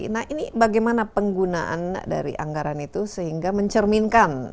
nah ini bagaimana penggunaan dari anggaran itu sehingga mencerminkan